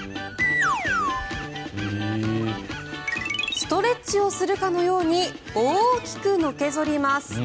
ストレッチをするかのように大きくのけ反ります。